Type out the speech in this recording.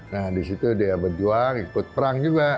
nah di situ dia berjuang ikut perang juga